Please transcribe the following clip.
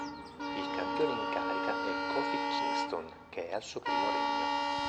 Il campione in carica è Kofi Kingston, che è al suo primo regno.